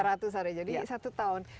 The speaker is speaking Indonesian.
sambung dua ratus hari jadi satu tahun